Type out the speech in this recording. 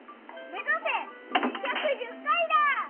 めざせ２１０回だ！